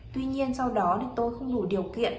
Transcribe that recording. tuy nhiên sau đó tôi không đủ điều kiện